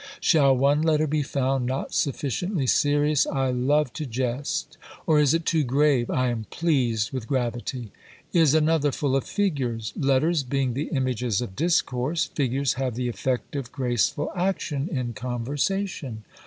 Shall one letter be found not sufficiently serious? I love to jest. Or is it too grave? I am pleased with gravity. Is another full of figures? Letters being the images of discourse, figures have the effect of graceful action in conversation.